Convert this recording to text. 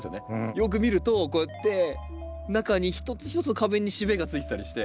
よく見るとこうやって中にひとつひとつの花弁にしべがついてたりして。